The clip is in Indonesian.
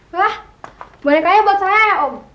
wah bonekanya buat saya om